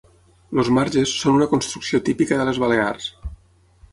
Els marges són una construcció típica de les Balears.